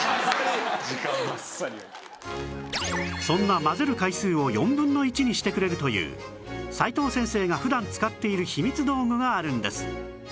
そんな混ぜる回数を４分の１にしてくれるという齋藤先生が普段使っている秘密道具があるんです